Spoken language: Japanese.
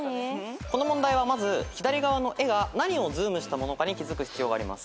この問題はまず左側の絵が何をズームしたものかに気付く必要があります。